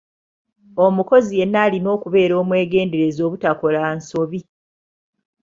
Omukozi yenna alina okubeera omwegendereza obutakola nsobi.